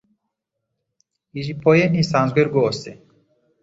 Ijipo ye ntisanzwe rwose.